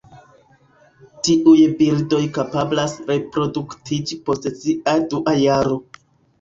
Tiuj birdoj kapablas reproduktiĝi post sia dua jaro.